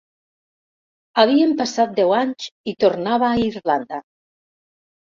“Havien passat deu anys i tornava a Irlanda”.